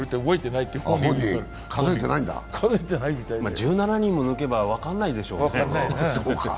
１７人も抜けば分からないでしょうね。